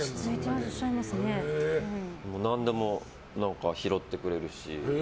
何でも拾ってくれるし。